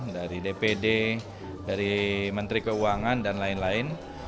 dari dpd dari menteri keuangan dan lain lain